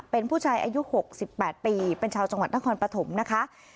เป็นผู้ชายอายุ๖๘ปีเป็นชาวจังหวัดนครปฐมนะคะ